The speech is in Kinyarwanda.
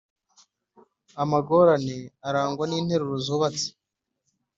amagorane arangwa n'interuro zubatse